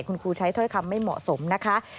คุณครูใช้ถ้อยคำไม่เหมาะสมนะคะ